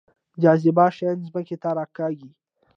جاذبه شیان ځمکې ته راکاږي